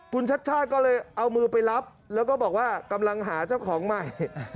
คุณชัดชาติก็เลยเอามือไปรับแล้วก็บอกว่ากำลังหาเจ้าของใหม่